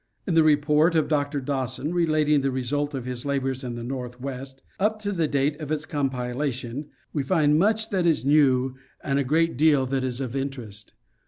In the report of Dr. Dawson relating the result of his labors in the northwest, up to the date of its compilation, we find much that is new and a great deal that is of interest.